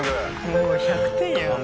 もう１００点やん。